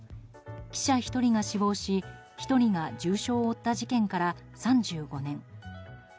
記者１人が死亡し、１人が重傷を負った事件から３５年。